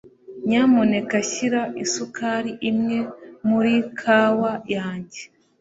Nyamuneka shyira isukari imwe muri kawa yanjye.